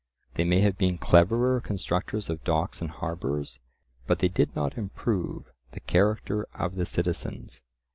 They may have been cleverer constructors of docks and harbours, but they did not improve the character of the citizens.